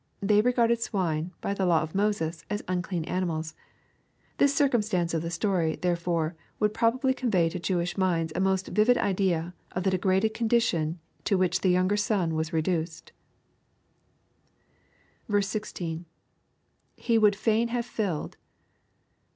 They regarded swine, by the law of Moses, as unclean animals. This circumstance of the story, therefore, would probably convey to Jewish minds a most vivid idea of the degraded condition to which the younger son was re duced. 16. — [J3e would fain have filled.